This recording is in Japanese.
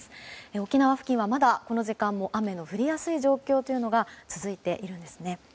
沖縄付近はこの時間もまだ雨の降りやすい状況が続いているんですね。